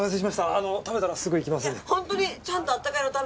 あの食べたらすぐ行きますんで。